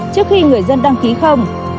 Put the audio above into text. trước khi người dân đăng ký không